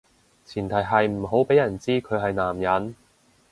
前提係唔好畀人知佢係男人